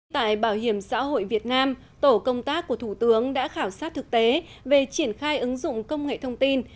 tại bảo hiểm xã hội việt nam tổ công tác của thủ tướng đã khảo sát thực tế về triển khai ứng dụng công nghệ thông tin